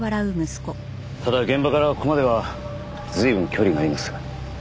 ただ現場からここまでは随分距離があります。